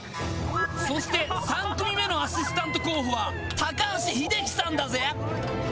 そして３組目のアシスタント候補は高橋英樹さんだぜ！